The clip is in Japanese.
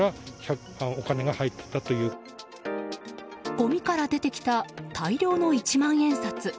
ごみから出てきた大量の一万円札。